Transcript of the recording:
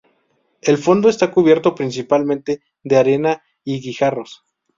El fondo está cubierto principalmente de arena y guijarros.